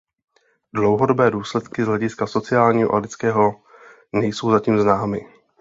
Dlouhodobé důsledky z hlediska sociálního a lidského nejsou zatím známy.